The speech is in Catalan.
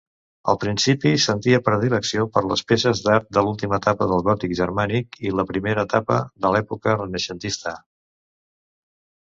Al principi, sentia predilecció per les peces d'art de l'última etapa del gòtic germànic i la primera etapa de la l'època renaixentista.